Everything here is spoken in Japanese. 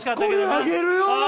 あげるよ！